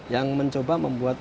yang mencoba membuat